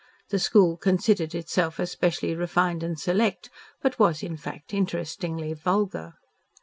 The school considered itself especially refined and select, but was in fact interestingly vulgar.